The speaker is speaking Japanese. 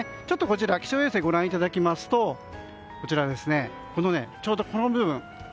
気象衛星をご覧いただきますとちょうどこの部分。